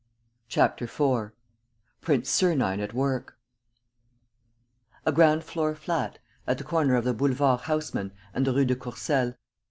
"A. L." CHAPTER IV PRINCE SERNINE AT WORK A ground floor flat, at the corner of the Boulevard Haussmann and the Rue de Courcelles.